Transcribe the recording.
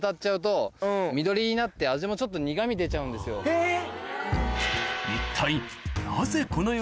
えっ！